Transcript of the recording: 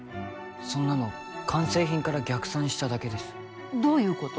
そんなの完成品から逆算しただけですどういうこと？